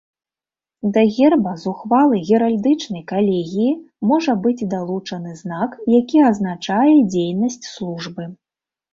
Да герба з ухвалы геральдычнай калегіі можа быць далучаны знак які азначае дзейнасць службы.